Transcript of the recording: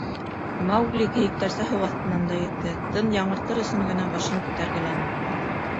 Маугли кейектәрсә һыу аҫтынан да йөҙҙө, тын яңыртыр өсөн генә башын күтәргеләне.